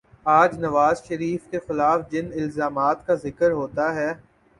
آج نوازشریف صاحب کے خلاف جن الزامات کا ذکر ہوتا ہے،